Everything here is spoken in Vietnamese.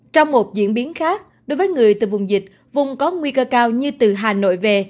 trong một diễn biến khác đối với người từ vùng dịch vùng có nguy cơ cao như từ hà nội về